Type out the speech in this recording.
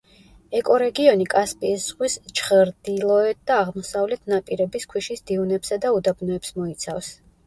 ეკორეგიონი კასპიის ზღვის ჩღდილოეთ და აღმოსავლეთ ნაპირების ქვიშის დიუნებსა და უდაბნოებს მოიცავს.